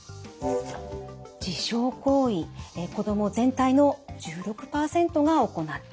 自傷行為子ども全体の１６％が行っていました。